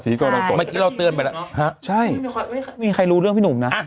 เมื่อกี้เราเตือนไปแล้วฮะใช่ไม่มีใครรู้เรื่องพี่หนุ่มนะ